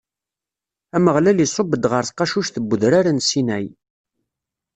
Ameɣlal iṣubb-d ɣef tqacuct n udrar n Sinay.